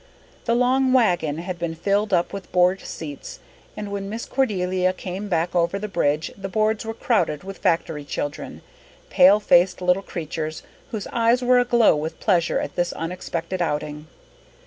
The long wagon had been filled up with board seats, and when Miss Cordelia came back over the bridge the boards were crowded with factory children pale faced little creatures whose eyes were aglow with pleasure at this unexpected outing.